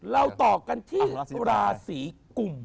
เราต่อกันที่ราศีกลุ่ม